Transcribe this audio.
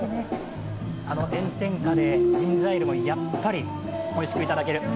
あの炎天下でジンジャエールもやっぱりおいしくいただける。